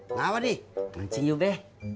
enggak pak odi mancing yuk be